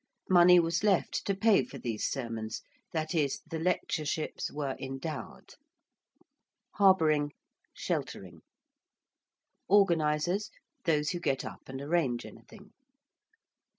Money was left to pay for these sermons, that is, the lectureships were ~endowed~. ~harbouring~: sheltering. ~organisers~: those who get up and arrange anything.